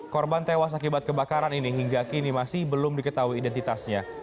korban tewas akibat kebakaran ini hingga kini masih belum diketahui identitasnya